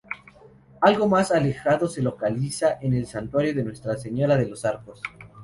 Algo más alejado, se localiza el Santuario de Nuestra Señora de los Arcos.